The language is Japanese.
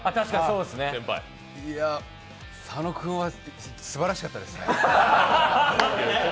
いや、佐野君はすばらしかったですね。